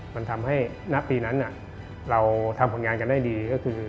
มันทำให้ณปีนั้นเราทำผลงานกันได้ดีก็คือ